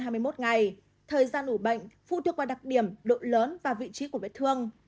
thời gian ủ bệnh phụ thuộc vào đặc điểm độ lớn và vị trí của vết thương